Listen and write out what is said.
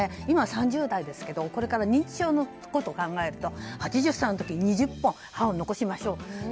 今３０代ですけどこれから認知症のことを考えると８０歳の時に２０本、歯を残しましょうと。